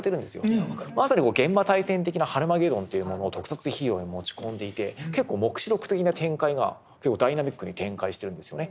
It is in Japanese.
まさに「幻魔大戦」的なハルマゲドンというものを特撮ヒーローに持ち込んでいて結構黙示録的な展開がダイナミックに展開してるんですよね。